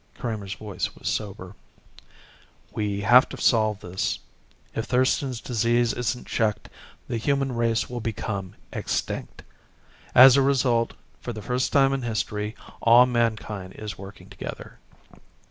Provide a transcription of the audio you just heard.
Kramer's voice was sober. "We have to solve this. If Thurston's Disease isn't checked, the human race will become extinct. As a result, for the first time in history all mankind is working together."